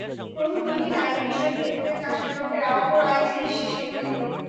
প্রথম দুই দিন আইনি বিষয়ে যুক্তি দেন আসামিপক্ষের অপর আইনজীবী শিশির মনির।